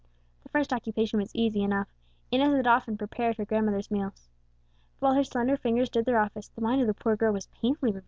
The first occupation was easy enough: Inez had often prepared her grandmother's meals. But while her slender fingers did their office, the mind of the poor girl was painfully revolving the words of Teresa.